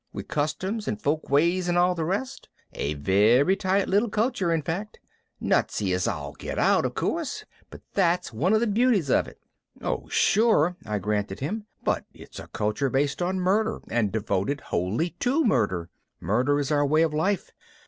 With customs and folkways and all the rest? A very tight little culture, in fact. Nutsy as all get out, of course, but that's one of the beauties of it." "Oh sure," I granted him, "but it's a culture based on murder and devoted wholly to murder. Murder is our way of life.